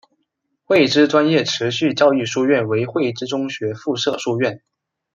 汇知专业持续教育书院为汇知中学附设书院。